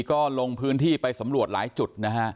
ก็ลงพื้นที่ไปสำรวจหลายจุดนะฮะ